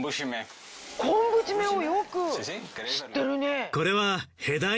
昆布締めをよく知ってるね。